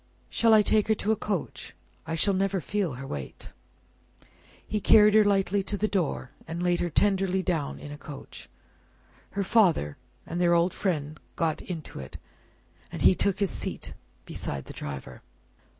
"Shall I take her to a coach? I shall never feel her weight." He carried her lightly to the door, and laid her tenderly down in a coach. Her father and their old friend got into it, and he took his seat beside the driver.